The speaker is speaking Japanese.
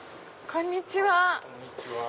こんにちは。